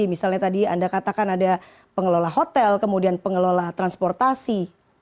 misalnya tadi anda katakan ada pengelola hotel kemudian pengelola transportasi